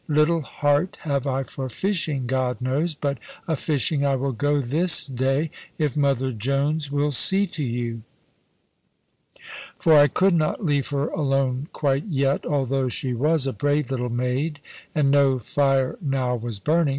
Little heart have I for fishing, God knows; but a fishing I will go this day, if mother Jones will see to you." For I could not leave her alone quite yet, although she was a brave little maid, and no fire now was burning.